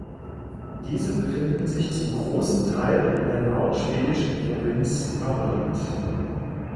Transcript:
Diese befinden sich zum großen Teil in der nordschwedischen Provinz Norrland.